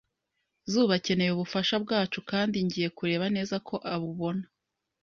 Zuba akeneye ubufasha bwacu kandi ngiye kureba neza ko abubona.